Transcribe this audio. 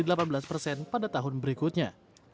dan juga mendapatkan keuntungan di tahun berikutnya